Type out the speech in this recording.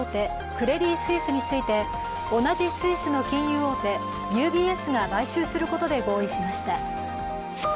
クレディ・スイスについて同じスイスの金融大手ＵＢＳが買収することで合意しました。